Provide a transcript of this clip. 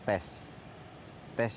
itu semua ikut tes